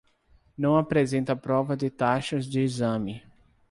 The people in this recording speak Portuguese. Não apresenta prova de taxas de exame.